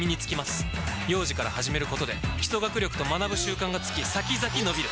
幼児から始めることで基礎学力と学ぶ習慣がつき先々のびる！